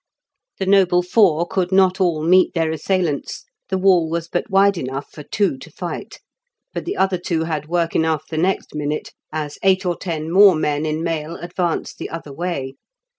The noble four could not all meet their assailants, the wall was but wide enough for two to fight; but the other two had work enough the next minute, as eight or ten more men in mail advanced the other way.